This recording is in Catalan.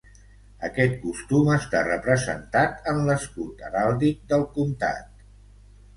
Aquest costum està representat en l'escut heràldic del comtat.